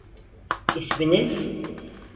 İsminiz?